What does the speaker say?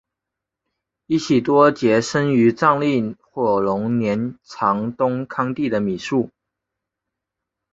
依喜多杰生于藏历火龙年藏东康地的米述。